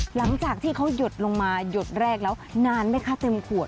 หลังจากที่เขาหยดลงมาหยดแรกแล้วนานไหมคะเต็มขวด